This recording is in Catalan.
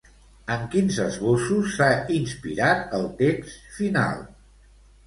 En quins esbossos s'ha inspirat el text final?